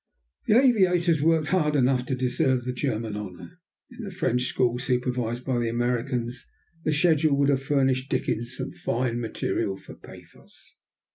The aviators worked hard enough to deserve the German honor. In the French school supervised by the Americans the schedule would have furnished Dickens some fine material for pathos.